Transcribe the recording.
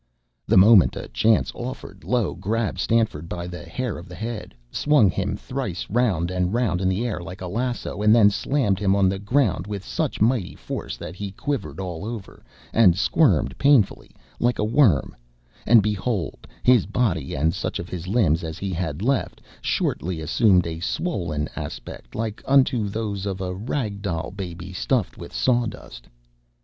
The moment a chance offered, Low grabbed Stanford by the hair of the head, swung him thrice round and round in the air like a lasso, and then slammed him on the ground with such mighty force that he quivered all over, and squirmed painfully, like a worm; and behold, his body and such of his limbs as he had left, shortly assumed a swollen aspect like unto those of a rag doll baby stuffed with saw dust.